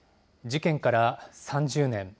事件から３０年。